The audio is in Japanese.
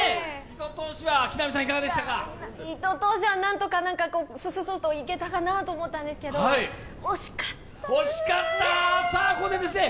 糸通しはなんとかそそそといけたかなと思ったんですけど惜しかったですね。